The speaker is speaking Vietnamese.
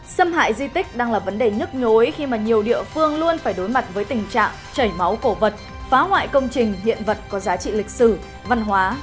xâm hại di tích đang là vấn đề nhức nhối khi mà nhiều địa phương luôn phải đối mặt với tình trạng chảy máu cổ vật phá hoại công trình hiện vật có giá trị lịch sử văn hóa